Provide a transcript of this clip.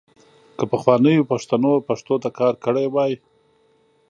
که پخوانیو پښتنو پښتو ته کار کړی وای .